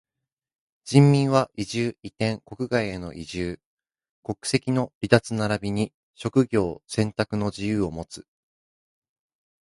人民は居住、移転、国外への移住、国籍の離脱ならびに職業選択の自由をもつ。